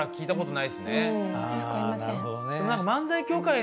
なるほどね。